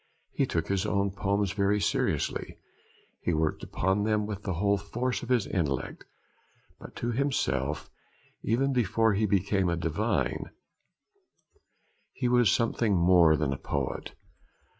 He took his own poems very seriously, he worked upon them with the whole force of his intellect; but to himself, even before he became a divine, he was something more than a poet.